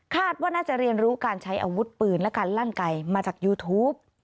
ว่าน่าจะเรียนรู้การใช้อาวุธปืนและการลั่นไก่มาจากยูทูป